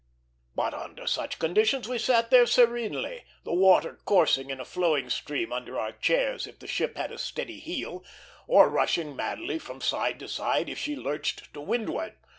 But under such conditions we sat there serenely, the water coursing in a flowing stream under our chairs if the ship had a steady heel, or rushing madly from side to side if she lurched to windward.